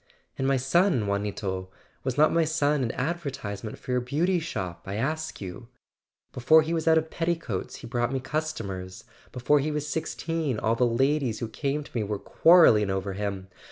"And my son, Juanito; was not my son an adver¬ tisement for a Beauty Shop, I ask you ? Before he was out of petticoats he brought me customers; before he was sixteen all the ladies who came to me were quarrel¬ ling over him.